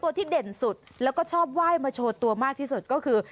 แต่ตัวที่แด่นสุดแล้วก็ชอบว่ายมาโชว์ตัวมากที่สุดก็คือ